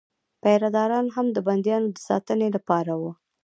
پیره داران هم د بندیانو د ساتنې لپاره وو.